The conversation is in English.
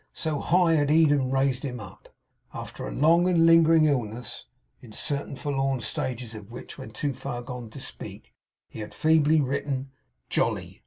So high had Eden raised him up. After a long and lingering illness (in certain forlorn stages of which, when too far gone to speak, he had feebly written 'jolly!